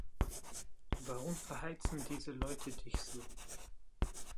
Warum verheizen diese Leute dich so?